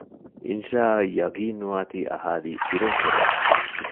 އިންޝާއަށް ޔަޤީންނުވާތީ އަހާލީ ބިރުން ހުރޭ